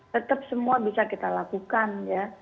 tetap semua bisa kita lakukan ya